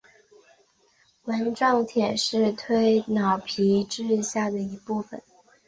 纹状体是端脑皮质下的一部份。